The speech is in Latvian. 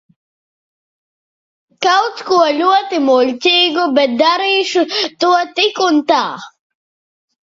Kaut ko ļoti muļķīgu, bet darīšu to tik un tā.